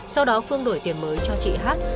sau đó phương đổi tiền mới cho chị hát